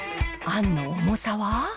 あんの重さは？